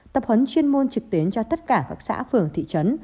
tập huấn chuyên môn trực tuyến cho tất cả các xã phường thị trấn